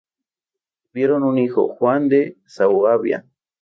Tuvieron un hijo, Juan de Suabia.